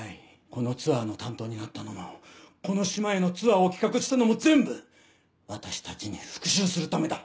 このツアーの担当になったのもこの島へのツアーを企画したのも全部私たちに復讐するためだ！